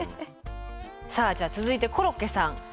さあじゃあ続いてコロッケさん